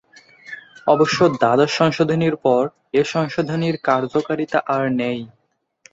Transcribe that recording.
অবশ্য দ্বাদশ সংশোধনীর পর এ সংশোধনীর কার্যকারিতা আর নেই।